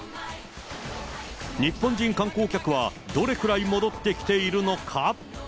日本人観光客はどれくらい戻ってきているのか？